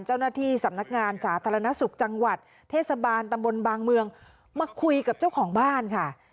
เจ้าหน้าที่สำนักงานสาธารณสุขจังหวัดเทศบาลตำบลบางเมืองมาคุยกับเจ้าของบ้านค่ะ